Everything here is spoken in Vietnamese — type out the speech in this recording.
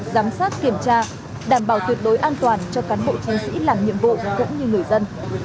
giám sát kiểm tra đảm bảo tuyệt đối an toàn cho cán bộ chiến sĩ làm nhiệm vụ cũng như người dân